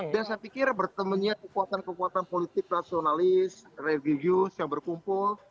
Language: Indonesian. dan saya pikir bertemunya kekuatan kekuatan politik nasionalis religius yang berkumpul